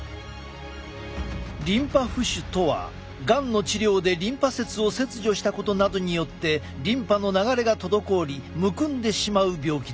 リンパ浮腫とはがんの治療でリンパ節を切除したことなどによってリンパの流れが滞りむくんでしまう病気だ。